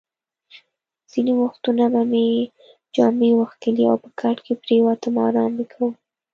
ځینې وختونه به مې جامې وکښلې او په کټ کې پرېوتم، ارام مې کاوه.